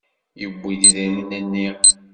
Yewwi-d idrimen-nni.